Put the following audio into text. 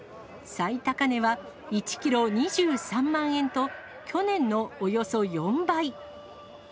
最高値は、１キロ２３万円と、去年のおよそ４倍。